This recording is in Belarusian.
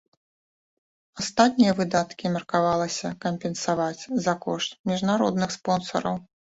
Астатнія выдаткі меркавалася кампенсаваць за кошт міжнародных спонсараў.